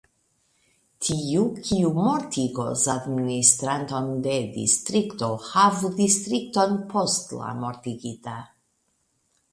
Tiu, kiu mortigos administranton de distrikto, havu distrikton post la mortigita.